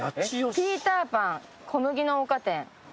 ピーターパン小麦の丘店。